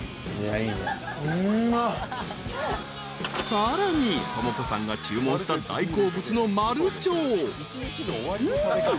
［さらに智子さんが注文した大好物の］